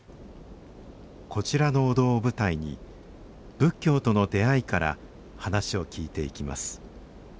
こちらのお堂を舞台に仏教との出会いから話を聞いていきます